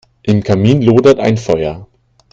Im Kamin lodert ein Feuer.